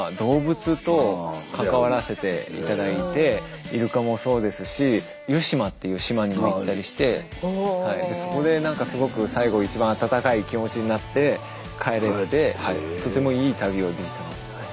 僕後半の方は結構イルカもそうですし湯島っていう島にも行ったりしてでそこで何かすごく最後一番温かい気持ちになって帰れてとてもいい旅をできたので。